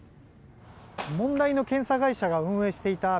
問題の検査会社が運営していた